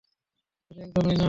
শুধু একজনই না।